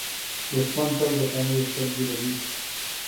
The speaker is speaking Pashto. دښمن تل د طمعې سترګې لري